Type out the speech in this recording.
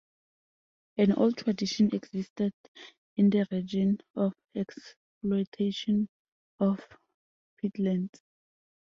An old tradition existed in the region of exploitation of peatlands.